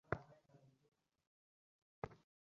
মন্দিরে পুরোহিতদের মধ্যে অল্প কয়েকজন সংস্কৃত বোঝে।